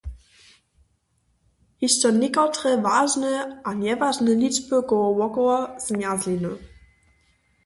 Hišće někotre wažne a njewažne ličby kołowokoło zmjerzliny.